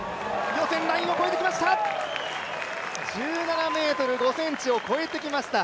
予選ラインを越えてきました。